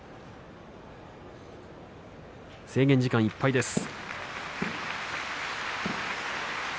制限時間いっぱいです。